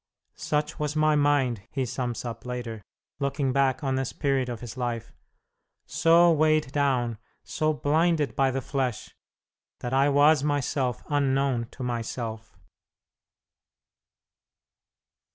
"Such was my mind," he sums up later, looking back on this period of his life, "so weighed down, so blinded by the flesh, that I was myself unknown to myself."